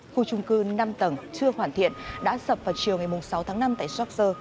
khu chung cư năm tầng chưa hoàn thiện đã sập vào chiều ngày sáu tháng năm tại yorkshire